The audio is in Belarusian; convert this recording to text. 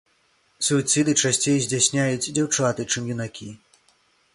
Суіцыды часцей здзяйсняюць дзяўчаты, чым юнакі.